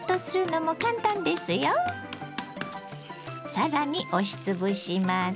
更に押しつぶします。